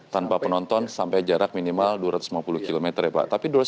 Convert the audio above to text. tanpa penonton sampai jarak minimal dua ratus lima puluh km ya pak